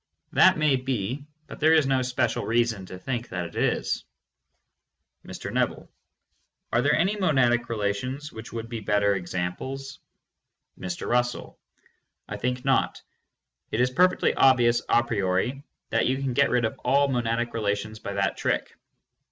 That may be, but there is no special reason to think that it is. Mr. Neville : Are there any monadic relations which would be better examples ? THE PHILOSOPHY OF LOGICAL ATOMISM. 527 Mr. Russell: I think not. It is perfectly obvious a priori that you can get rid of all monadic relations by that trick.